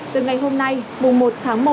từ ngày hôm nay mùng một tháng một